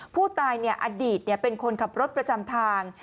เพราะฉะนั้นผู้ตายอดีตเป็นคนขับรถประจำทาง